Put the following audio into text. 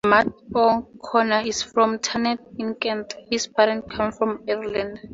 Matt O'Connor is from Thanet in Kent; his parents came from Ireland.